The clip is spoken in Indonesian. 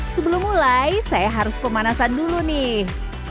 sebelum mulai saya harus pemanasan dulu nih